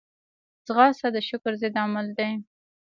ځغاسته د شکر ضد عمل دی